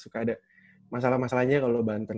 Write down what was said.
suka ada masalah masalahnya kalau banten